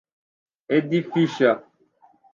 Eddie Fisher